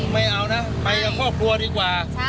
ไม่เอานะไปยังครอบครัวดีกว่า